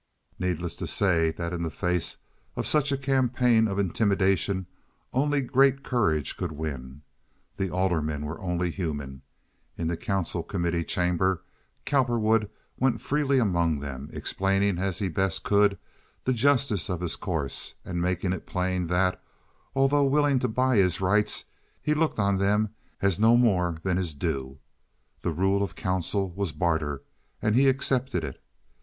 Needless to say that in the face of such a campaign of intimidation only great courage could win. The aldermen were only human. In the council committee chamber Cowperwood went freely among them, explaining as he best could the justice of his course and making it plain that, although willing to buy his rights, he looked on them as no more than his due. The rule of the council was barter, and he accepted it.